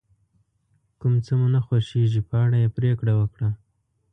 کوم څه مو نه خوښیږي په اړه یې پرېکړه وکړه.